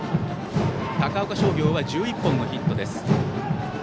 高岡商業は１１本のヒットです。